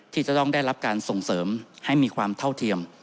ที่จะต้องได้รับการส่งเสริมให้มีความเท่าเทียม